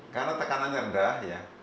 karena tekanannya rendah ya